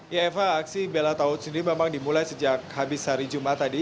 ya eva aksi bela taut sendiri memang dimulai sejak habis hari jumat tadi